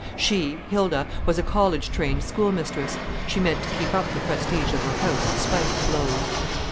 She, Hilda, was a college trained schoolmistress; she meant to keep up the prestige of her house in spite of blows.